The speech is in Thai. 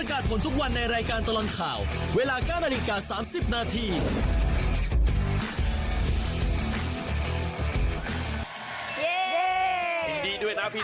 คุณทองดีสัตว์ธรรมจากจังหวัดอุบลราชธานี